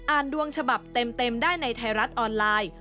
ดวงฉบับเต็มได้ในไทยรัฐออนไลน์